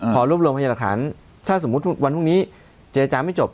พอรวบรวมพยาหลักฐานถ้าสมมุติวันพรุ่งนี้เจรจาไม่จบ